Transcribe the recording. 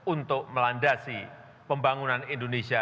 untuk melandasi pembangunan indonesia